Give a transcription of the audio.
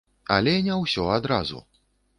Але не ўсё адразу!